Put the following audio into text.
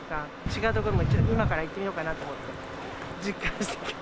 違う所も今から行ってみようかなと思って。